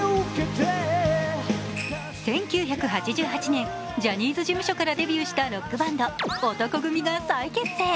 １９８８年、ジャニーズ事務所からデビューしたロックバンド男闘呼組が再結成。